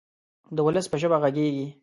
د ولس په ژبه غږیږي.